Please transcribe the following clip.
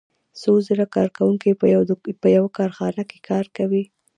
څو زره کارکوونکي په یوه کارخانه کې کار کوي